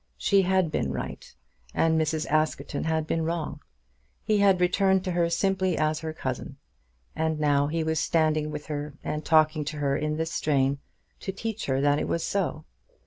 She had been right, and Mrs. Askerton had been wrong. He had returned to her simply as her cousin, and now he was walking with her and talking to her in this strain, to teach her that it was so.